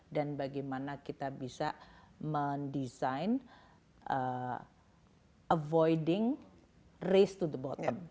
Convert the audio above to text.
dan bagaimana kita bisa mendesain avoiding raise to the bottom